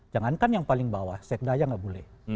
jangankan yang paling bawah sekdaya tidak boleh